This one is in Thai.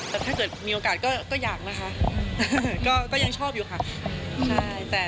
แต่ถ้าเกิดมีโอกาสก็อยากนะคะก็ยังชอบอยู่ค่ะ